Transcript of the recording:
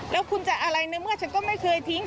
แล้วคุณจะอะไรในเมื่อฉันก็ไม่เคยทิ้ง